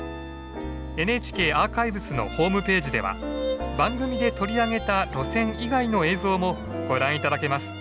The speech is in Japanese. ＮＨＫアーカイブスのホームページでは番組で取り上げた路線以外の映像もご覧頂けます。